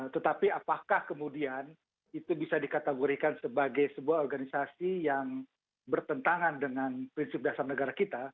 tetapi apakah kemudian itu bisa dikategorikan sebagai sebuah organisasi yang bertentangan dengan prinsip dasar negara kita